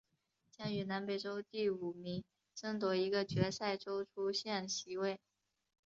将与南美洲第五名争夺一个决赛周出线席位。